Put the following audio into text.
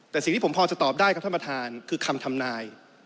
แต่สิ่งที่ผมพอจะตอบได้ครับท่านประธานคือคำทำนาย